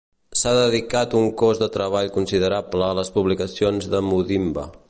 S'ha dedicat un cos de treball considerable a les publicacions de Mudimbe.